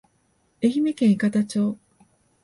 愛媛県伊方町